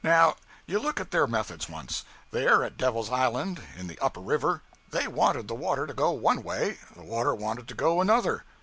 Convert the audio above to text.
Now you look at their methods once. There at Devil's Island, in the Upper River, they wanted the water to go one way, the water wanted to go another.